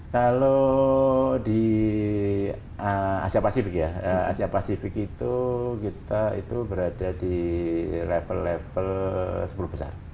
kalau di asia pasifik ya asia pasifik itu kita itu berada di level level sepuluh besar